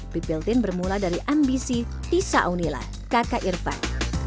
pipil tin bermula dari ambisi tisa unila kakak irfan